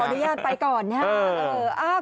อนุญาตไปก่อนนะครับ